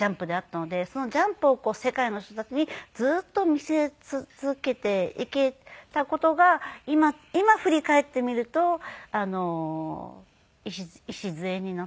そのジャンプを世界の人たちにずっと見せ続けていけた事が今振り返ってみると礎になっているっていう事は。